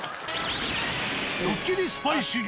ドッキリスパイ修行。